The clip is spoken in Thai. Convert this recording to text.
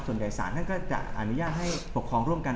สารท่านก็จะอนุญาตให้ปกครองร่วมกัน